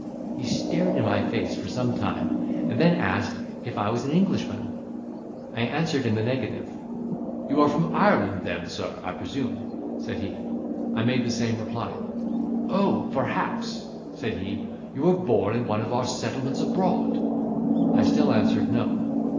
He stared in my face for some time, and then asked if I was an Englishman? I answered in the negative. "You are from Ireland then, Sir, I presume," said he. I made the same reply. "Oh! perhaps," said he "you were born in one of our settlements abroad." I still answered No.